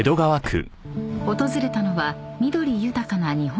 ［訪れたのは緑豊かな日本庭園］